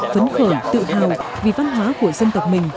phấn khởi tự hào vì văn hóa của dân tộc mình